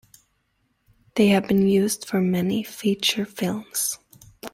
They have been used for many feature films.